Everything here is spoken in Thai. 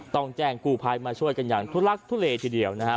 ต้องแจ้งกู้ภัยมาช่วยกันอย่างทุลักทุเลทีเดียวนะครับ